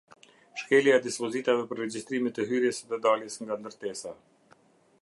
Shkelja e dispozitave për regjistrimet e hyrjes dhe daljes nga ndërtesa.